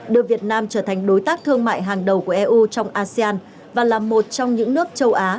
đưa việt nam trở thành đối tác thương mại hàng đầu của eu trong asean và là một trong những nước châu á